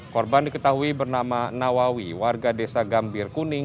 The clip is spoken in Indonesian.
korban diketahui bernama nawawi warga desa gambir kuning